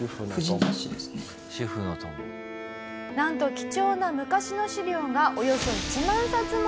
なんと貴重な昔の資料がおよそ１万冊も！